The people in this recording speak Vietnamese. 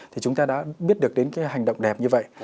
thì chúng ta đã biết được đến cái hành động đẹp như vậy